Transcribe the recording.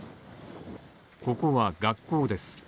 ここは学校です。